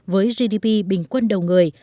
với gdp bình quân đầu người